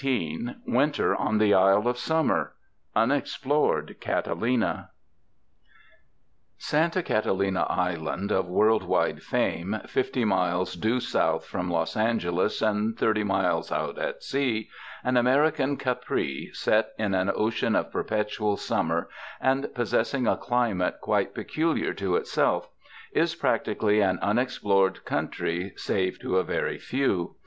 174 WINTER ON THE ISLE OF SUMMER I. Unexplored Catalina SANTA CATALINA ISLAND of worldwide fame, fifty miles due south from Los Angeles and thirty miles out at sea — an American Capri set in an ocean of perpetual summer, and possessing a climate quite peculiar to itself — is practically an unexplored country save to a very few.